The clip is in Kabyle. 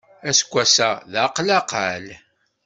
Aseggas-a d aqlaqal.